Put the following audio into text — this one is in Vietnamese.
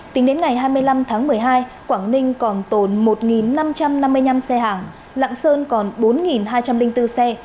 tính đến ngày hai mươi năm tháng một mươi hai quảng ninh còn tồn một năm trăm năm mươi năm xe hàng lạng sơn còn bốn hai trăm linh bốn xe